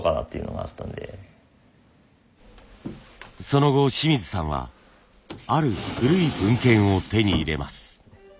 その後清水さんはある古い文献を手に入れます。